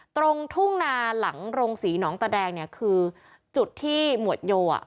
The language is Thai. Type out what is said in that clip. ตรงทุ่งนาหลังโรงศรีหนองตะแดงเนี่ยคือจุดที่หมวดโยอ่ะ